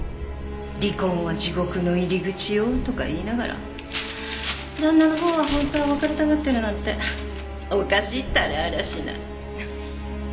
「離婚は地獄の入り口よ」とか言いながら旦那のほうは本当は別れたがってるなんておかしいったらありゃしない。